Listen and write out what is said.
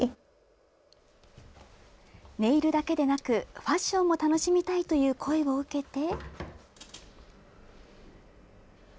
ネイルだけでなく、ファッションも楽しみたいという声を受けて。